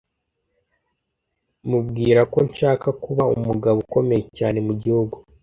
mubwira ko nshaka kuba umugabo ukomeye cyane mu gihugu